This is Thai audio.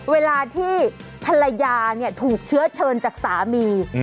เวลาที่ภรรยาถูกเชื้อเชิญจากสามี